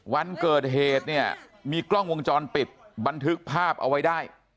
วันเกิดเหตุเนี่ยมีกล้องวงจรปิดบันทึกภาพเอาไว้ได้